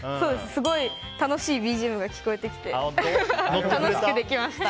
すごい楽しいＢＧＭが聞こえてきて楽しくできました。